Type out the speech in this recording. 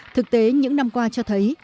thực tế những năm qua cho thấy